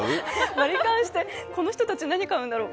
割り勘して、この人たち何を買うんだろう。